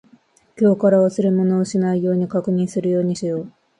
今日から忘れ物をしないように確認するようにしよう。